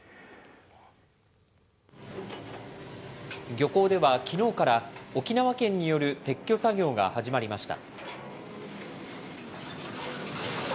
漁港では、きのうから、沖縄県による撤去作業が始まりました。